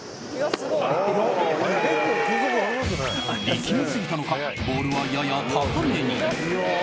力みすぎたのかボールは、やや高めに。